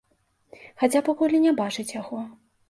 Хаця пакуль і не бачаць яго.